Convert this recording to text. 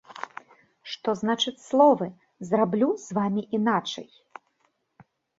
Што значаць словы: «Зраблю з вамі іначай»?